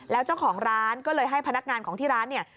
แล้วเจ้าของร้านก็เลยให้พนักงานของที่ร้านเนี่ย